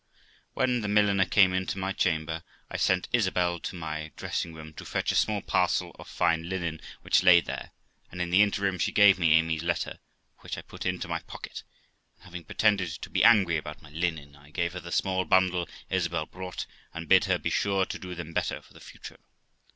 When the milliner came into my chamber, I sent Isabel to my dressing room to fetch a small parcel of fine linen which lay there, and in the Interim she gave me Amy's letter, which I put into my pocket, and, having pretended to be angry about my linen, I gave her the small bundle Isabel brought, and bid her be sure to do them better for the future.